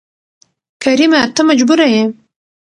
کريمه ته مجبوره يې